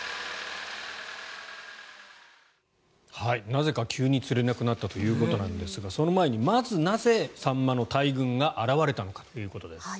なぜか急に釣れなくなったということなんですがその前にまずなぜ、サンマの大群が現れたのかということです。